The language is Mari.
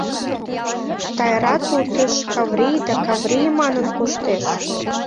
Тайра тутыш «Каврий» да «Каврий» манын коштеш...